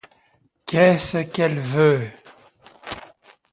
Qu’est-ce qu’elle veut ?